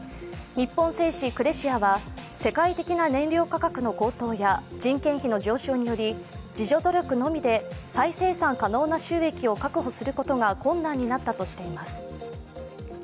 日本製紙クレシアは、世界的な燃料価格の高騰や人件費の上昇により自助努力のみで再生産可能な収益を確保することが困難になったとしています。